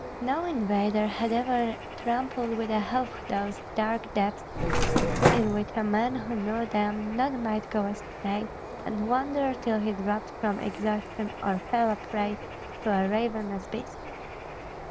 No invader had ever trampled with a hoof those dark depths in which a man who knew them not might go astray and wander till he dropped from exhaustion or fell a prey to ravenous beasts.